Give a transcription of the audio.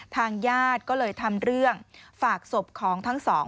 ทางญาติก็เลยทำเรื่องฝากศพของทั้งสอง